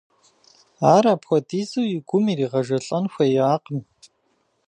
Ар апхуэдизу и гум иригъэжэлӏэн хуеякъым.